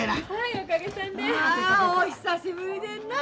お久しぶりでんなあ。